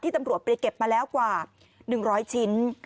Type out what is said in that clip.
ตำรวจไปเก็บมาแล้วกว่า๑๐๐ชิ้น